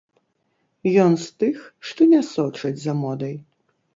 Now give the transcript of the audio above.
Ён з тых, што не сочаць за модай.